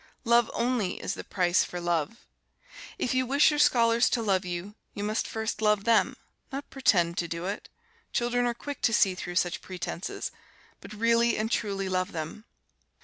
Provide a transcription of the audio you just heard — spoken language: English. Love only is the price for love. If you wish your scholars to love you, you must first love them, not pretend to do it, children are quick to see through such pretences, but really and truly love them.